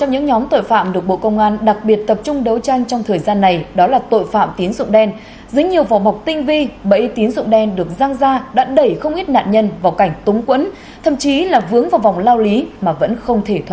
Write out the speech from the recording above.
hãy đăng ký kênh để ủng hộ kênh của chúng mình nhé